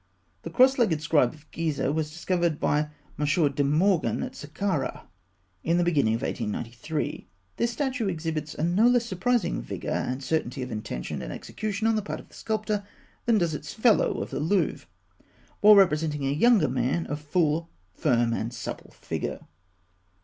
The Cross legged Scribe of Gizeh (fig. 186) was discovered by M. de Morgan at Sakkarah in the beginning of 1893. This statue exhibits a no less surprising vigour and certainty of intention and execution on the part of the sculptor than does its fellow of the Louvre, while representing a younger man of full, firm, and supple figure.